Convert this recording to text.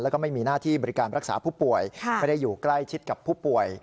แล้วก็ไม่มีหน้าที่บริการรักษาผู้ป่วยไม่ได้อยู่ใกล้ชิดกับผู้ป่วย